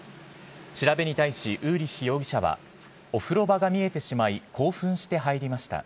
調べに対し、ウーリッヒ容疑者はお風呂場が見えてしまい、興奮して入りました。